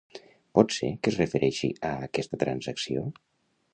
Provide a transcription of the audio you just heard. Pot ser que es refereixi a aquesta transacció?